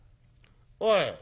「おい。